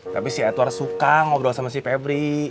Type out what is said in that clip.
tapi si edward suka ngobrol sama si pebri